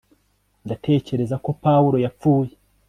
ndatekereza ko pawulo yapfuye